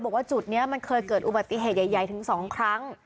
บอกว่าจุดนี้มันเคยเกิดอุบัติเหตุใหญ่ถึง๒ครั้ง